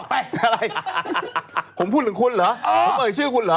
อะไรผมพูดถึงคุณเหรอผมเอ่ยชื่อคุณเหรอ